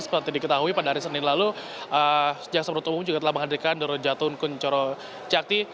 seperti diketahui pada hari senin lalu jaksa merdeka umum juga telah menghadirkan doron jatun kuncoro cakti